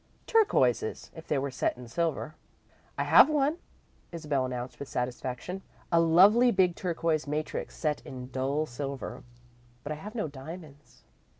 "Turquoises, if they were set in silver." "I have one," Isabel announced with satisfaction. "A lovely big turquoise matrix set in dull silver. But I have no diamonds."